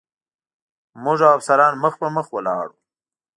موږ او افسران مخ په مخ ولاړ و.